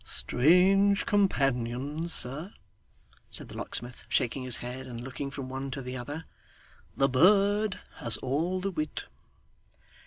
'Strange companions, sir,' said the locksmith, shaking his head, and looking from one to the other. 'The bird has all the wit.